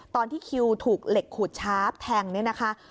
ตอนที่คิวถูกเหล็กขูดชาร์ฟแทงเนี่ยนะคะ